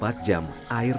air terus mengalir